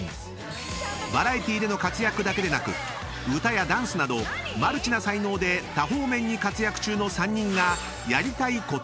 ［バラエティーでの活躍だけでなく歌やダンスなどマルチな才能で多方面に活躍中の３人が］